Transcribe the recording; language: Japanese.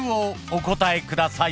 お答えください。